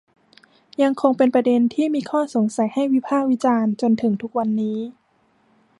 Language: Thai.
ยังคงเป็นประเด็นที่มีข้อสงสัยให้วิพากษ์วิจารณ์จนถึงทุกวันนี้